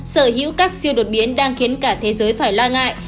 sở hữu các siêu đột biến đang khiến cả thế giới phải lo ngại